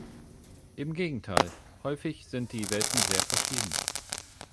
Im Gegenteil, häufig sind die Welten sehr verschieden.